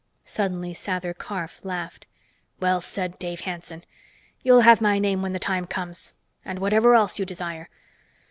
Suddenly Sather Karf laughed. "Well said, Dave Hanson. You'll have my name when the time comes. And whatever else you desire.